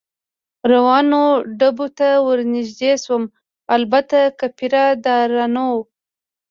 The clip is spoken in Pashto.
روانو ډبو ته ور نږدې شوم، البته که پیره دارانو.